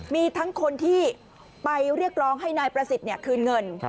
มีทั้งคนที่ไปเรียกร้องให้นายประสิทธิ์คืนเงิน